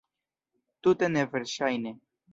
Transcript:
Tute neverŝajne!